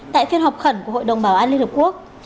tại phiên họp khẩn của hội đồng bảo an liên hợp quốc